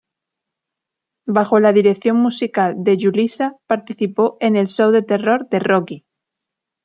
Bajo la dirección musical de Julissa participó en "El show de terror de Rocky".